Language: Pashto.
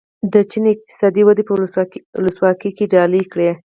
د چین اقتصادي وده به ولسواکي ډالۍ کړي.